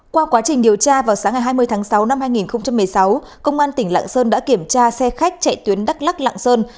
qua quá trình điều tra vào sáng ngày hai mươi tháng sáu năm hai nghìn một mươi sáu công an tỉnh lạng sơn đã kiểm tra xe khách chạy tuyến đắk lắc lạng sơn